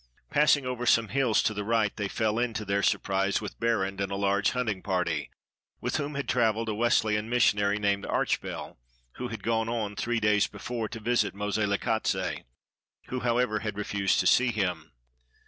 Passing over some hills to the right, they fell in, to their surprise, with Berend and a large hunt ing party, — with whom had traveled a Wesleyan mis sionary named Archbell, who had gone on, three days before, to visit Moselekatse; who, however, had refused to see him.